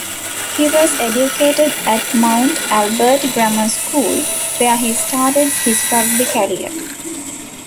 He was educated at Mount Albert Grammar School, where he started his rugby career.